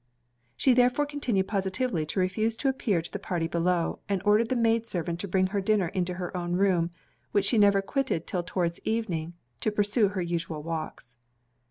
She therefore continued positively to refuse to appear to the party below; and ordered the maid servant to bring her dinner into her own room, which she never quitted 'till towards evening, to pursue her usual walks.